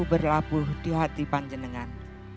berlabuh di hati panjenengan